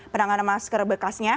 penanganan masker bekasnya